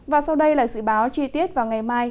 và sau đây là dự báo chi tiết vào ngày mai